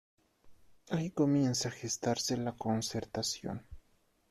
Ahí comienza a gestarse la Concertación.